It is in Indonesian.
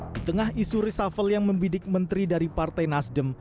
di tengah isu reshuffle yang membidik menteri dari partai nasdem